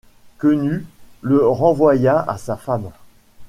Quenu le renvoya à sa femme.